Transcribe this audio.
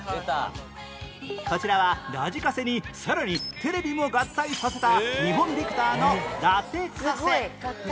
こちらはラジカセにさらにテレビも合体させた日本ビクターのラテカセ